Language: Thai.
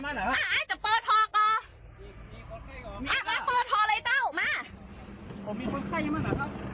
อ้าวปิ๊กมาพออ้าวมาพอคนไข้เริ่มก่อน